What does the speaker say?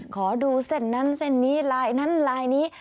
ขอดูเส้นนั้นเส้นนี้ลายนั้นลายนี้